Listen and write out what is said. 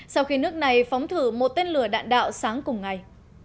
sau khi nước này phóng thử một tên lửa đạn đạo sáng cùng ngày